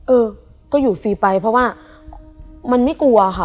เออก็อยู่ฟรีไปเพราะว่ามันไม่กลัวค่ะ